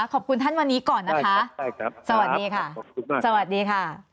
ขอบคุณท่านวันนี้ก่อนนะคะสวัสดีค่ะสวัสดีค่ะ